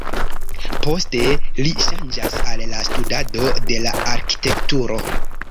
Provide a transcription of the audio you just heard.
Poste li ŝanĝas al la studado de la Arkitekturo.